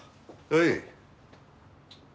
はい。